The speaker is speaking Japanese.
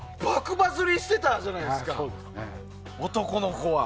バズりしてたじゃないですか男の子は。